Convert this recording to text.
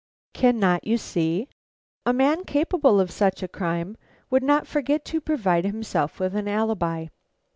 "Cannot you see? A man capable of such a crime would not forget to provide himself with an alibi.